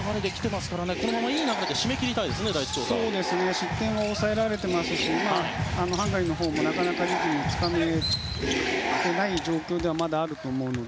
失点は抑えられていますしハンガリーのほうもなかなかリズムをつかめていない状況ではまだあると思うので。